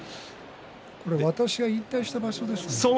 私が引退した場所ですね。